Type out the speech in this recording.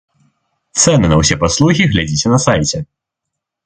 Цэны на ўсе паслугі глядзіце на сайце.